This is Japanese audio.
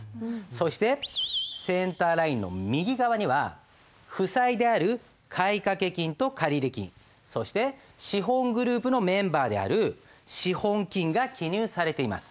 そしてセンターラインの右側には負債である買掛金と借入金そして資本グループのメンバーである資本金が記入されています。